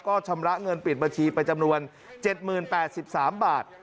ก็ชำระเงินปิดบัญชีไปจำนวน๗๐๘๓บาท